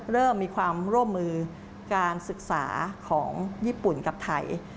เริ่มมีความร่วมมือการศึกษาของญี่ปุ่นกับไทย